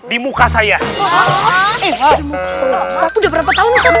di muka saya